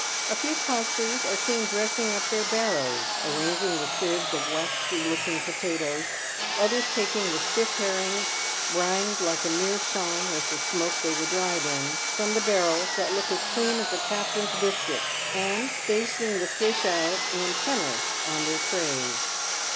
A few costers are seen dressing up their barrows, arranging the sieves of waxy looking potatoes ; others taking the stiff" herrings — browned like a meerschaum with the smoke they were dried in — from the barrels that look as clean as a captain's biscuit, and spacing the fish out in penn'orths on their trays.